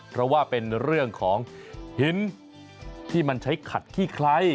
เพราะว่าเป็นเรื่องของหินที่มันใช้ขัดขี้ไคร้